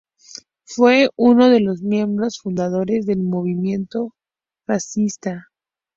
Fue uno de los miembros fundadores del movimiento fascista.